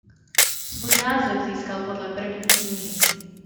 Svůj název získal podle první knihy.